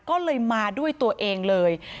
ก็เลยมาด้วยตัวเองเลย